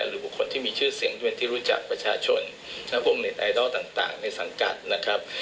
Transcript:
หรือบุคคลที่มีชื่อเสียงด้วยที่รู้จักประชาชนและวงเน็ตไอดอลต่างในสังกัดนะครับ